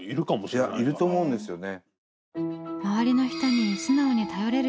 いやいると思うんですよね。